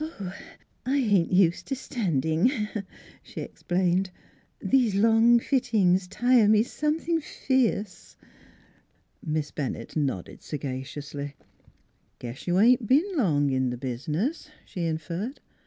" I ain't ust' to standing," she explained. ' These long fittings tire me something fierce." Miss Bennett nodded sagaciously. " Guess you ain't bin long in th' bizniz," she inferred.